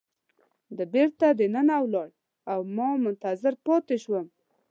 دی بیرته دننه ولاړ او ما منتظر پاتې شوم.